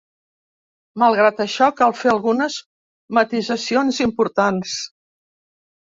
Malgrat això, cal fer algunes matisacions importants.